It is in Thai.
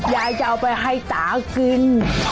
ยายจะเอาไปให้ตากิน